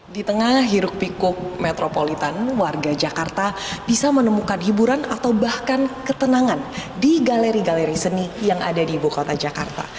di tengah hiruk pikuk metropolitan warga jakarta bisa menemukan hiburan atau bahkan ketenangan di galeri galeri seni yang ada di ibu kota jakarta